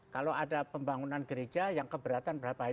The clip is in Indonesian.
kalau ada pembangunan gereja yang keberatan berapa